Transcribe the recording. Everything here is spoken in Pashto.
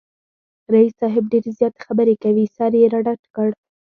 رییس صاحب ډېرې زیاتې خبری کوي، سر یې را ډډ کړ